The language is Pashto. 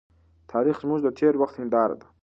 تاريخ زموږ د تېر وخت هنداره ده.